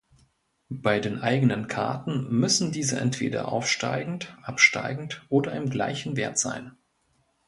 Bei den eigenen Karten müssen diese entweder aufsteigend, absteigend oder von gleichem Wert sein.